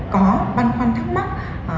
có băn khoăn thắc mắc